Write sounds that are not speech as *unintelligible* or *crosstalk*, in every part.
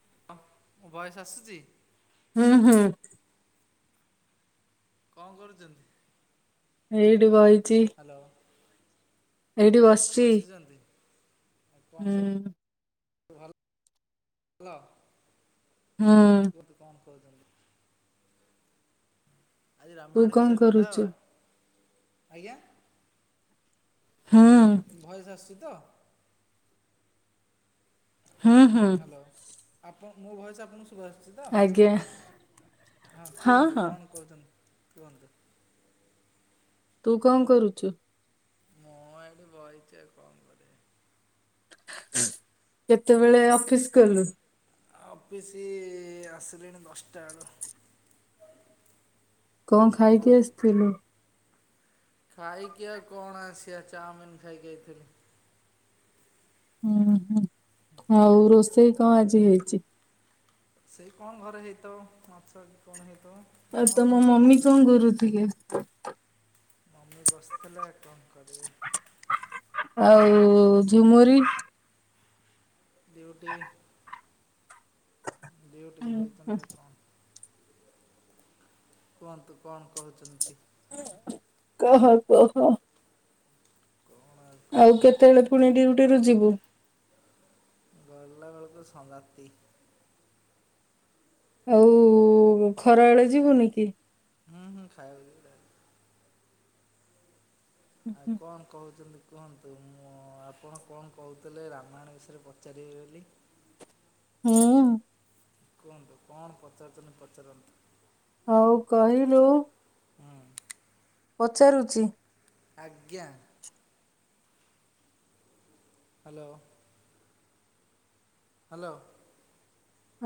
*inaudible* ହୁଁ *unintelligible* *inaudible* କଣ କରୁଚନ୍ତି। ଏଇଠି ବଇ ହ୍ୟାଲୋ। ଏଇଠି ବସଛି। ବସିଛନ୍ତି ହୁଁ। ଭ ଭଲ। କୁହନ୍ତୁ କଣ ହୁଁ। କହୁଛନ୍ତି ଆଜି ତୁ ରାମାୟଣ କଣ ବିଷୟରେ କଥା କରୁଚୁ? ହେବା। ଆଜ୍ଞା। ମୁଁ ହୁଁ କହିଲ ଭଏସ ଆସଛି ତ। ହୁଁ ହୁଁ। ହ୍ୟାଲୋ ଆପଣ ମୋ ଭୟସ ଆପଣଙ୍କୁ ଶୁଭ୍ ଭା ଆସୁଛି ତ ଆଜ୍ଞା ହଁ କୁହନ୍ତୁ କଣ କହୁଛନ୍ତି। କୁହନ୍ତୁ। ତୁ କଣ କରୁଛୁ? ମୁ ଏଇଠି ବଇଚି ଆଉ କଣ କରିବି। କେତେବେଳେ ଅଫିସ ଗଲୁ। ଅଫିସି ଆସିଲିଣି ଦଶଟା ବେଳୁ। କଣ ଆପଣ ଖାଇକି ଆସିଥିଲୁ? ଖାଇକି ଆଉ କଣ ଆସିବା ଚାଉମିିନ ଖାଇକି ଆଇଥିଲି। ହୁଁ ହୁଁ ଆଉ ରୋଷେଇ କଣ ଆଜି ହେଇଛି? ସେଇ କଣ ଘରେ ହେଇଥବ ମାଛ କି କଣ ହେଇ ଆଉ ତମ ମମି କଣ କରୁଥିଲେ। ମମି ବସିଥିଲେ ଆଉ କଣ କରିବେ। ଆଉ ଝୁମୁରି। ଡ୍ୟୁଟି। ଡ୍ୟୁଟି କୁ ହୁଁ ହୁଁ ଯାଇଥିଲି ଆଉ କଣ। କୁହନ୍ତୁ କଣ କହୁଛନ୍ତି କି? କୁହ କୁହ। କ'ଣ ଆଉ କହିବା ଆପଣ କେତେବେଳେ ପୁଣି ଡ୍ୟୁଟିରୁ ଯିବେ। ଗଲା ବେଳକୁ ତ ସଂଙ୍ଗାତି। ଆଉ ଖରା ବେଳେ ଯିବୁନି କି? ହୁଁ ହୁଁ ଖାଇବା। ଆଉ କଣ କହୁଥିଲେ। କୁହନ୍ତୁ ମୁଁ ଆପଣ କଣ କହୁଥିଲେ ରାମାୟଣ ବିଷୟରେ ପଚାରିବେ ବୋଲି। ମୁଁ। କୁହନ୍ତୁ କଣ ପଚାରୁଚନ୍ତି ପଚାରନ୍ତୁ। ହଉ କହିଲୁ ହୁଁ ପଚାରୁଚି ଆଜ୍ଞା। ହ୍ୟାଲୋ। ହ୍ୟାଲୋ।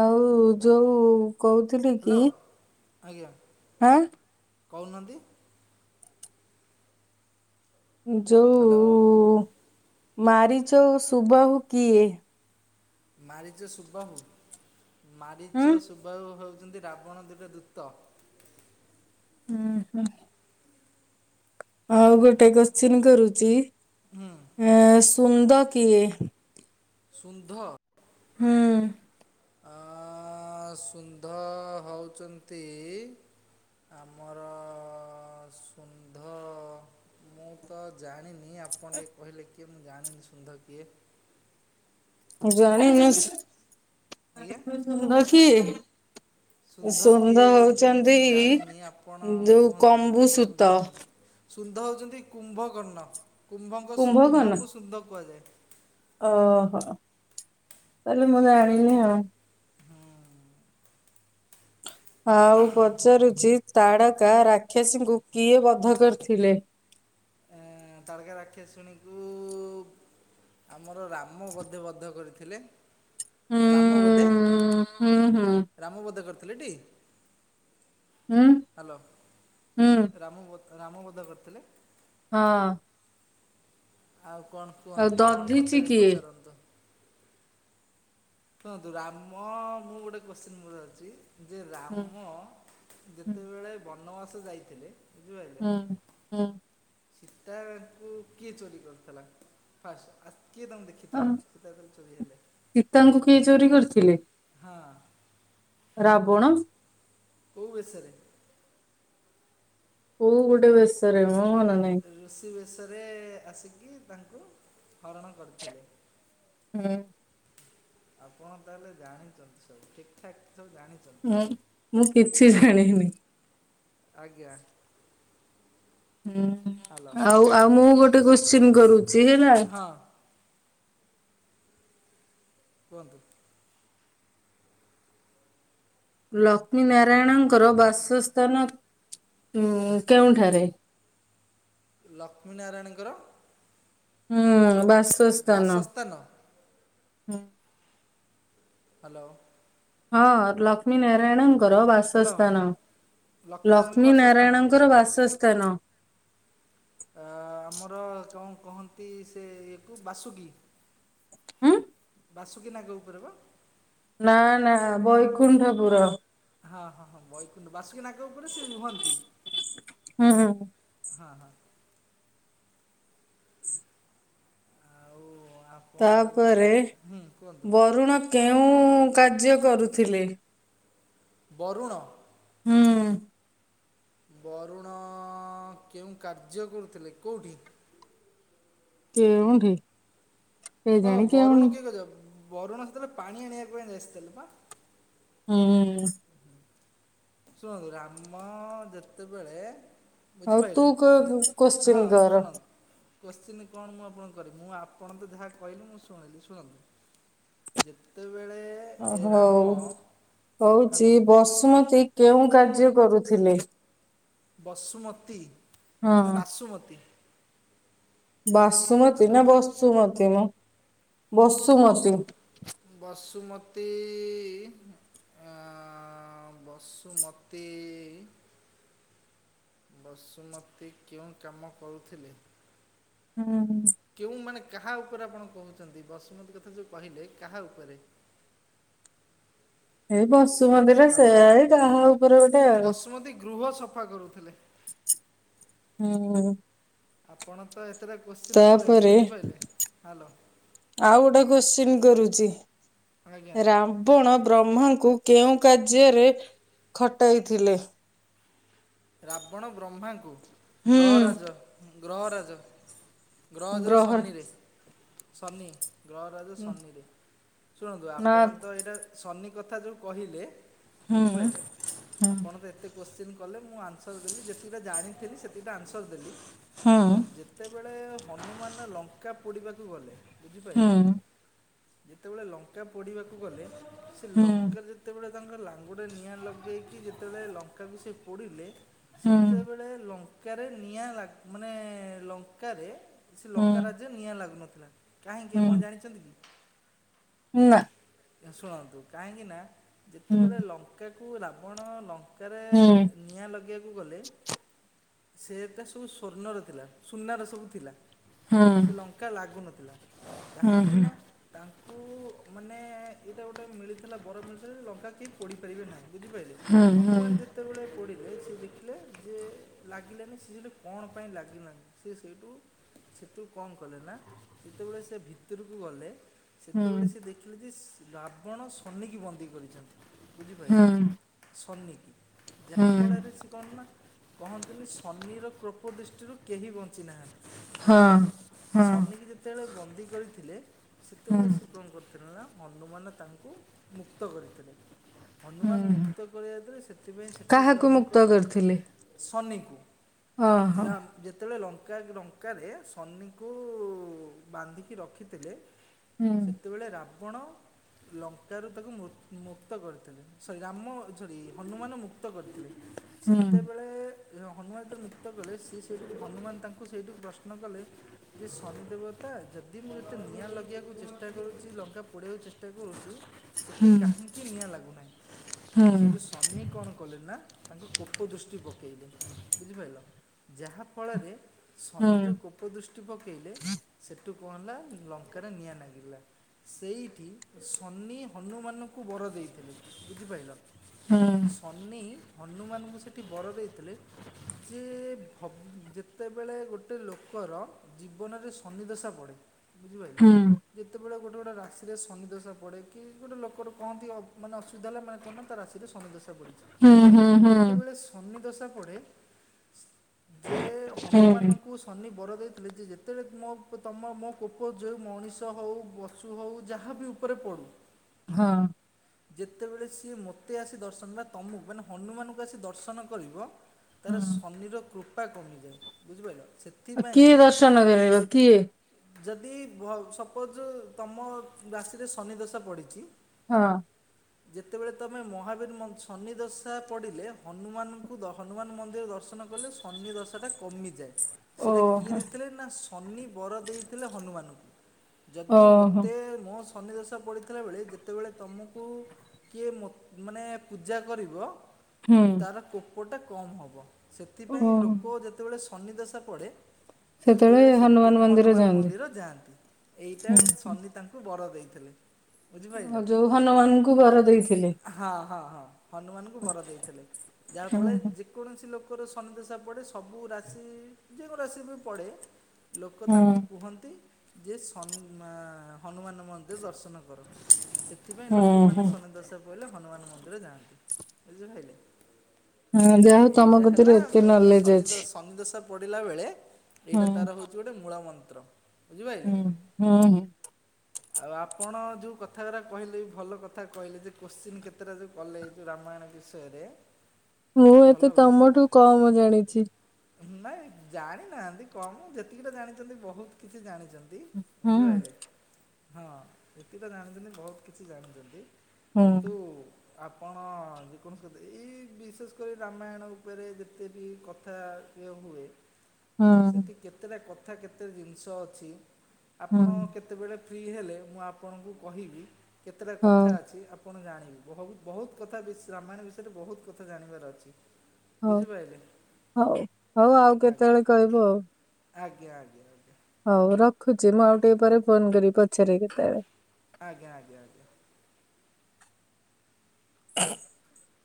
ଆଉ ଯୋଉ କହୁଥିଲି କି ହ୍ୟାଲୋ ଆଜ୍ଞା। ଆଁ। କହୁନାହାନ୍ତି। ଉଁ, ହ୍ୟାଲୋ ଯୋଉ ମାରିଚ ଓ ସୁବାହୁ କିଏ? ମାରି ଚି ସୁବାହୁ ହୁଁ ମାରିଚ ସୁବାହୁ ହଉ ଚନ୍ତି ରାବଣର ଦିଟା ଦୂତ। ହୁଁ, ହୁଁ। ଆଉ ଗୋଟେ କୋଶ୍ଚିନ୍ କରୁଚି। ଏସ ତୁନ୍ଦ କିଏ? ସୁନ୍ଧ? ହଁ। ଅଁ, ସୁନ୍ଧ ହଉଚନ୍ତି ଆମର ସୁନ୍ଧ ମୁଁ ତ ଜାଣିନି। ଆପଣ ଟିକେ କହିଲେ କିଏ? ମୁଁ ଜାଣିନି ସୁନ୍ଧ କିଏ। ଜାଣିିନ ହ୍ୟାଲୋ ଆଜ୍ଞା ସୁନ୍ଦ କିଏ? ସୁନ୍ଧ ସୁନ୍ଦ କିଏ ମୁଁ ହଉଛନ୍ତି ଜାଣିନି। ଆପଣ ଯୋଉ କୁହନ୍ତୁ ଦେଖିବା ମୁଁ କମ୍ବୁସୂତ ଜାଣିନି। ସୁନ୍ଧ ହଉଚନ୍ତି କୁମ୍ଭକର୍ଣ୍ଣ। କୁମ୍ଭଙ୍କ କୁମ୍ଭକର୍ଣ୍ଣ ସୁ-କୁମ୍ଭଙ୍କୁ ସୁନ୍ଧ କୁହାଯାଏ। ଓହୋ! ତାଲେ ମୁଁ ଜାଣିନି ଆଉ। ଆଉ ପଚାରୁଚି ତାଡ଼କା ରାକ୍ଷସୀଙ୍କୁ କିଏ ବଦ୍ଧ କରିଥିଲେ? ଉଁ, ତାଡକା ରାକ୍ଷାସୁଣୀଙ୍କୁ ଆମର ରାମ ବୋଧେ ବଦ୍ଧ କରିଥିଲେ। ରାମ ବୋଧେ, ହୁଁ ହୁଁ ହୁଁ ରାମ ବୋଧେ କର କଲେଟି? ହୁଁ ହ୍ୟାଲୋ, ହୁଁ ରାମ ବ ରାମ ବଦ୍ଧ କରିଥିଲେ। ହଁ। ଆଉ କଣ ଆଉ କୁହନ୍ତୁ? କଣ ଦଧିଛି ପଚାରିବେ କିଏ? ପଚାରନ୍ତୁ? କୁହନ୍ତୁ ରାମ ମୁଁ ଗୋଟେ କୋଶ୍ଚିନ୍ ମୋର ଅଛି। ଯେ ହୁଁ ରାମ ହୁଁ ଯେତେବେଳେ ବ ବାନବାସ ଯାଇଥିଲେ। ବୁଝିପାରିଲେ ହୁଁ ହୁଁ ସୀତାଙ୍କୁ କିଏ ଚୋରି କରିଥିଲେ ଫାଷ୍ଟ। କିଏ ତାଙ୍କୁ ଆଉ ଦେଖିଥିଲା ଯେତେବେଳେ ଚୋରି ହେଲେ ସୀତାଙ୍କୁ କିଏ ଚୋରି କରିଥିଲେ? ହଁ ରାବଣ କୋଉ ବେଶରେ କୋଉ ଗୋଟେ ବେସରେ ରୁଷି ବେଶ ବେଶରେ ଆସିକି ତାଙ୍କୁ ହରଣ କରିଥିଲେ। ହୁଁ ଆପଣ ତାହେଲେ ଜାଣିଛନ୍ତି ସବୁ ଠିକ ଠାକ ହୁଁ ମୁଁ କିଛି ଜାଣିନି ହ ଆଜ୍ଞା ହୁଁ ହ୍ୟାଲୋ ଆଉ ଆଉ ମୁଁ ଗୋଟେ ଗୋଟେ କ୍ୱେଷଚନ କରୁ ସି ହେ ନା ହଁ କୁହନ୍ତୁ ଲକ୍ଷ୍ମୀ ନାରାୟଣଙ୍କର ବାସସ୍ଥାନ ଉ କେଉଁଠାରେ? ଲକ୍ଷ୍ମୀନାରାୟଣଙ୍କର ହୁଁ ବାସ୍ ବାସସ୍ଥାନ ହୁଁ ହ୍ୟାଲୋ ହଁ ଲକ୍ଷ୍ମୀନାରାୟଣ ର ହ୍ୟାଲୋ ବାସସ୍ଥାନ ନାରାୟଣଙ୍କ ଲକ୍ଷ୍ମୀ ବାସସ୍ଥାନ ନାରାୟଣଙ୍କର ବାସ ଉତନ ଆମର କଣ କହନ୍ତି ସେ ଇଏକୁ ବାସୁଗୀ ଉଁ ବାସୁକୀ ନାଗ ଉପରେ ବା ନା ନା ବୈକୁଣ୍ଠ ପୁର ହଁ ହଁ ହଁ ବୈକୁଣ୍ଠ ବାସୁକୀ ନାଗ ଉପରେ ସେ ରୁହନ୍ତି ହୁଁ ହୁଁ ହଁ ହଁ ଆଉ ଆପଣ ତାହେଲେ କ ତାପରେ ହୁଁ କୁହନ୍ତୁ ବରୁଣ କେଉଁ କାର୍ଯ୍ୟ କରୁଥିଲେ ବରୁଣ ହୁଁ ବରୁଣ କେଉଁ କାର୍ଯ୍ୟ କରୁଥିଲେ କୋଉଁଠି କେଉଁଠି ଓହ କେଜାଣି କେଉଁ ବରୁଣ କେ କେ ଯାଉ। ବରୁଣସର ପାଣି ଆଣିବା ପାଇଁ ଆସିଥିଲେ ବା। ହୁଁ। ଶୁଣନ୍ତୁ ରାମ ଯେତେବେଳେ ହଉ ତୁ ବୁଝିପାରିଲେ ମୁଁ ହଁ କଶ୍ଚିିନ କର। ଶୁଣନ୍ତୁ କୋଶ୍ଚିନ୍ କଣ ମୁଁ ଆପଣଙ୍କ କରିବି ମୁଁ ଆପଣ ତ ଯାହା କହିଲି ମୁଁ ଶୁଣିଲି ଶୁଣନ୍ତୁ ଯେତେ ଓ ହଉ ହଉଛି ହ୍ୟାଲୋ ବସୁମତୀ କେଉଁ କାର୍ଯ୍ୟ କରୁଥିଲେ? ବସୁମତୀ ନା ହଁ। ବାସୁମତୀ। ବାସୁମତି ହ୍ୟାଲୋ ନା ବସୁମତି ମ? ବସ୍ ବସୁମତୀ। ବସୁମତୀ ଇ ଇ ଆଁ ବସୁମତୀ ବସୁମତୀ କେଉଁ କାମ କରୁଥିଲେ? ହଁ। କେଉଁ ମାନେ କାହା ଉପରେ ଆପଣ କହୁଛନ୍ତି ବସୁମତୀ କଥା ଯୋଉ କହିଲେ କାହା ଉପରେ? ଏ ବସ୍ ସୁମନ୍ଦିର ହ୍ୟାଲୋ ସେଇ କାହା ଉପରେ ଗୋଟେ ଆଉ ବସୁମତୀ ଗୃହ ସଫା କରୁଥିଲେ ହୁଁ। ହୁଁ। ଆପଣ ତ ଏ ତାପରେ ହ୍ୟାଲୋ ଆଉ ଗୋଟା କ୍ଵଶ୍ଚିନ୍ କରୁ ଚି। ଆଜ୍ଞା ରାବଣ ବ୍ରହ୍ମାଙ୍କୁ କେଉଁ କାର୍ଯ୍ୟରେ ଖଟାଇଥିଲେ? ରାବଣ ବ୍ରହ୍ମାଙ୍କୁ ହୁଁ ଗ୍ରହରାଜ। ଗ୍ରହରାଜ। ଗ୍ରହଜର ଗ୍ରହ ଶନିରେ। ସନି। ଗ୍ରହରାଜ ଶନିରେ ଶୁଣନ୍ତୁ ନା ଆପଣ ତ ଏଇଟା ଶନି କଥା ଯୋଉ କହିଲେ ହୁଁ ବୁଝିପାରିଲେ ହୁଁ ଆପଣ ତ ଏତେ କୋଶ୍ଚିନ୍ କଲେ ମୁଁ ଆନ୍ସର ଦେଲି ଯେତିକିଟା ଜାଣିଥିଲି ସେତିକିଟା ଆନ୍ସର ଦେଲି। ହୁଁ ଶୁଣନ୍ତୁ ଯେତେବେଳେ ହନୁମାନ ଲଙ୍କା ପୋଡିବାକୁ ଗଲେ। ବୁଝିପାରିଲେ? ହୁଁ ଯେତେବେଳେ ଲଙ୍କା ପୋଡିବାକୁ ଗଲେ। ସେ ହୁଁ ଲଙ୍କା ଯେତେବେଳେ ତାଙ୍କର ଲାଙ୍ଗୁଡ଼ରେ ନିଆଁ ଲଗେଇକି ଯେତେବେଳେ ଲଙ୍କାକୁ ସେ ପୋଡ଼ିଲେ ହୁଁ ସେତେବେଳେ ଲ ରେ ନିଆଁ ଲା ମାନେ ଲଙ୍କାରେ ସେ ହୁଁ ଲଙ୍କା ରାଜ୍ୟ ନିଆଁ ଲାଗୁ *inaudible* କାହିଁକି ହୁଁ ଆପଣ ଜାଣିଚନ୍ତି କି? ନା। ଶୁଣନ୍ତୁ କାହିଁକି ନା ହୁଁ ଯେତେବେଳେ ଲଙ୍କାରେ କୁ ରାବଣ ଲଙ୍କ କାରେ ନିଆଁ ଲଗେଇବାକୁ ଗଲେ ସେଏଟା ସବୁ ସ୍ଵର୍ଣ୍ଣର ଥିଲା ସୁନାର ସବୁ ଥିଲା। ହୁଁ ସେ ଲଙ୍କା ଲାଗୁନଥିଲା କାହିଁକି ନା ତା ମୁଁ ମାନେ ଏଇଟା ଗୋଟେ ମିଳିଥିଲା ବର ମିଳିଥିଲା ଲଙ୍କା କେହି ପୋଡ଼ିପାରିବେ ନାହିଁ। ବୁଝିପାରିଲେ ହନୁମାନ ଯେତେବେଳେ ପୋଡ଼ିଲେ ସିଏ ଦେଖିଲେ ଯେ ଲାଗିଲାନି ସେ ସେଟ କଣ ପାଇଁ ଲାଗିଲାନି ସେ ସେଇଠୁ ସେଠୁ କଣ କଲେ ନା ଯେତେବେଳେ ସେ ଭିତରକୁ ଗଲେ ହୁଁ ସେତେବେଳେ ସେ ଯେ ରାବଣ ଶନିକି ବନ୍ଦୀ କରିଚନ୍ତି। ହୁଁ ବୁଝିପାରିଲ? ହୁଁ ଶନିକି ଯା ହୁଁ ଫଳରେ ସେ କଣ ନା କହନ୍ତିନି ଶନିର କୃପ ଦୃଷ୍ଟିରୁ କେହି ବଞ୍ଚି ନାହାନ୍ତି। ହଁ ବୁଝିପାରିଲେ ହଁ ଶନିିକି ଯେତେବେଳେ ବନ୍ଦୀ କରିଥିଲେ ସେତେବେଳେ ସିଏ କଣ *unintelligible* ହନୁମାନ ତାଙ୍କୁ ମୁକ୍ତ କରିଥିଲେ। ହନୁମାନ ହୁଁ ମୁକ୍ତ କରି ଯାଇଥିଲେ। ସେଥିପାଇଁ ସେଠି କାହାକୁ ମୁକ୍ତ ଶନିଙ୍କ କରିଥିଲେ? ଶନି *inaudible* ଓହୋ। ରାମ ଯେତେବେଳେ ଲଙ୍କା ଲଙ୍କାରେ ସନିକୁ ବାନ୍ଧିକି ରଖିଥିଲେ। ହୁଁ ସେତବେଳେ ରା ଆପଣ ଲଙ୍କାରୁ ତାକୁ ମୁ ମୁକ୍ତ କରିଥିଲେ, ସରି ରାମ ହନୁମାନ ମୁକ୍ତ କରିଥିଲେ, ହୁଁ ସେତେବେଳେ ହନୁମାନ ଯେ ମୁକ୍ତ କଲେ, ସିଏ ସେଇଠୁ, ହନୁମାନ ତାଙ୍କୁ ସେଇଠୁ ପ୍ରଶ୍ନ କଲେ, ଯେ ଶନି ଦେବତା ଯଦି ଯଦି, ମୁଁ ଯେତେ ନିଆଁ ଲଗିବାକୁ ଚେଷ୍ଟା କରୁଛି, ଲଂ *unintelligible* ଚେଷ୍ଟା କରୁଛି ସେଠି କାହିଁକି ନିଆଁ ଲାଗୁନାହିଁ, ସେଇଠୁ ଶନି କଣ କଲେ ନା ତାଙ୍କ କୋପ ଦୃଷ୍ଟି ପକାଇଲେ, ବୁଝିପାରିଲ ଯାହାଫଳରେ ହୁଁ ଶନି ଯେଉ କୋପ ଦୃଷ୍ଟି ପକେଇଲେ, ସେ ଠୁ, କଣ ହେଲା, ଲଙ୍କାରେ ନିଆଁ ଲାଗିଲା। ସେଇ ଶନି ହନୁମାନଙ୍କୁ ବର ଦେଇଥିଲେ, ବୁଝିପାରିଲ। ହୁଁ ଶନି ହନୁମାନଙ୍କୁ ସେଠି ବର ଦେଇଥିଲେ, ଯେ ଯେତେବେଳେ ଗୋଟେ ଲୋକର ଜୀବନରେ ଶନିଦଶା ପଡ଼େ। ବୁଝିପାରିଲ, ହୁଁ ଯେତେବେଳେ ଗୋଟେ ଗୋଟେ ରାଶିରେ ଶନି ଦଶା ପଡେ କି, ଗୋଟେ ଲୋକର କହନ୍ତି, ମାନେ ତାହେଲେ, ମାର୍କ କରୁନ ତା ରାଶିରେ ଶନିଦଶା ପଡ଼ିଛି, ଯେତେବେଳେ ଶନି ଦୋସ ପଡ଼େ ଯେ, ହନୁମାନଙ୍କୁ ଶନି ବର ଯେ, ଯେତେବେଳେ *unintelligible* ତମ ମୋ କୁପୋଉ ମଣିଷ ହଉ *unintelligible* ହଉ, ଯାହାବି ଉପରେ ପଡୁ। ହଁ ଯେତେବେଳେ ସିଏ ମୋତେ ଆସି ଦର୍ଶନ, ବା ତମକୁ, ମାନେ, ହନୁମାନଙ୍କୁ ଆସି ଦର୍ଶନ କରିବ ତାର ଶନିର କୃପା କମିଯାଏ, ବୁଝିପାରିଲ, ସେଥିପାଇଁ କି ଦର୍ଶନଗରରେ କିଏ ଯଦି, ଭ ସପୋଜ ତମ ରାଶିରେ ଶନିଦଶା ପଡ଼ିଛି। ହଁ ଯେତେବେଳେ ତମେ ମହାବୀର, ଶନି ଦଶା ପଡ଼ିଲେ, ହନୁମାନଙ୍କୁ, ହନୁମାନ ମନ୍ଦିର ଦର୍ଶନ କଲେ, ଶନି ଦଶାଟା କମିଯାଏ। ସେଇଟା କିଏ ଓହୋ ଦେଇଥିଲେ ନା, ଶନି ବର ଦେଇଥିଲେ ହନୁମାନଙ୍କୁ। ଯଦି ମତ୍ ଓହୋ ତେ ନ ସନିଦଶା ପଡ଼ିଥିଲା ବଳେ ଯେତେବେଳେ ତୁମକୁ କିଏ ମତ୍ ମାନେ ପୂଜା କରିବ ହୁଁ ତାର କୋକ୍ ଉପଟା କମ ହବ ସେଥିପାଇଁ ଓହୋ ଲୋକ ଯେତେବେଳେ ଶନିଦଶା ପଡେ? ସେତେବେଳେ ସେ ହନୁମାନ ମନ୍ଦିର ହନୁମାନ ଯାଆନ୍ତି ମନ୍ଦିର ଯାଆନ୍ତି ଏଇଟା ହୁଁ ତାଙ୍କୁ ବର ଦେଇଥିଲେ। ବୁଝିପାରିଲ ଆ ଯୋଉ ହନୁମାନଙ୍କୁ ବର ଦେଇଥିଲେ। ହଁ ହଁ ହଁ ହନୁମାନଙ୍କୁ ବର ଦେଇଥିଲେ ଯାହାଫଳରେ ହୁଁ ଯେକୌଣସି ଲୋକ୍ ର ସନିଦେଶା ପଡ଼େ ସବୁ ରାଶି ଯେଉଁ ରାଶିରେ ବି ପଡ଼େ ଲୋକ ହୁଁ ତାଙ୍କୁ କୁହନ୍ତି। ଯେ ସନ୍ ମା ହନୁମାନ ମନ୍ଦିର ଦର୍ଶନ ସେଥିପାଇଁ ହୁଁ ହୁଁ ଲୋକମାନେ ହୁଁ ଶନି ଦଶା ପଇଲେ ହନୁମାନ ମନ୍ଦିର ଯାଆନ୍ତି ବୁଝିପାଇଲେ ହୁଁ ଯାହା ହେଉ ତମ ଭିତରେ ଏତେ ନଲେଜ ଅଛି। ପଡିଲା ବେଳେ ଏଇଟା ହୁଁ ତାର ହଉଛି ଗୋଟେ ମୂଳା ମନ୍ଦ ମନ୍ତ୍ର ବୁଝିପାରିଲେ। ହୁଁ ହଁ ହଁ। ଆଉ ଆପଣ ଯୋଉ କଥା ଗୁରା କହିଲେ ଭଲ କଥା କହିଲେ ଯେ କୋଶ୍ଚିନ୍ କେତେଟା ଯୋଉ କଲେଇ ରାମାୟଣ ବିଷୟରେ ମୁଁ ଏତେ ଭଲ ଲାଗେ ତମଠୁ କମ୍ ଜାଣିଛି। ନାଇଁ ଜାଣିନାହାନ୍ତି କମ ଯେତିକିଟା ଜାଣିଛନ୍ତି ବହୁତ କିଛି ଜାଣି ହୁଁ ବୁଝିପାଇଲେ ହଁ ଏତିଟା ଜାଣିଛନ୍ତି ବହୁତ କିଛି ଜାଣିଛନ୍ତି। ହୁଁ କିନ୍ତନ୍ତୁ। ଆପଣ ଯେକୌଣସି କଥା ଏଇ ବିଶେଷ କରି ରାମାୟଣ ଉପରେ ଯେତେବି କଥା ଏ ହୁଏ। ହୁଁ ସେଠି କେତେଟା କ ତଥା କେତେ ଜିନିଷ ଅଛି। ହୁଁ ଆପଣ କେତ୍ ରେ ଫ୍ରି ହେଲେ ମୁଁ ଆପଣଙ୍କୁ କହିବି କେତେଟା ହଉ କଥା ଅଛି। କଣ ଜାଣିବି ବହୁତ ବହୁତ କଥା ରାମାୟଣ ବିଷୟରେ ବହୁତ କଥା ଜାଣିବାର ଅଛି। ହଉ ବୁଝିପାରିଲେ ହଉ ହଉ ଆଉ ଆଜ୍ଞା କେତେବେଳେ କହିବୁ ଆଉ। ଆଜ୍ଞା ଆଜ୍ଞା। ହଉ ରଖୁଛି ମୁଁ ଆଉ ଟିକେ ପରେ ଫୋନ କରିବି ପଚାରିବି କେତେବେଳେ। ଆଜ୍ଞା ଆଜ୍ଞା ଆଜ୍ଞା। *inaudible*